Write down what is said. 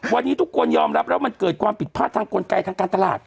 วันนี้ทุกคนยอมรับแล้วมันเกิดความผิดพลาดทางกลไกทางการตลาด